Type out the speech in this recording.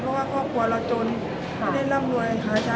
เพราะว่าครอบครัวเราจนไม่ได้ร่ำรวยหาช้า